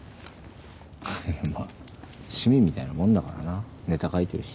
まぁ趣味みたいなもんだからなネタ書いてるし。